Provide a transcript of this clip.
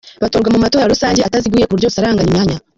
Batorwa mu matora rusange ataziguye ku buryo busaranganya imyanya.